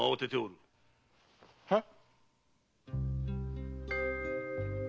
はっ。